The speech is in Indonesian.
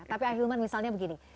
tapi ahilman misalnya begini